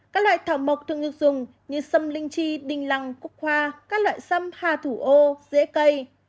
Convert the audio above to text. các loại thảo mộc thường được dùng như sâm linh chi đinh lăng cúc hoa các loại sâm hà thủ ô rễ cây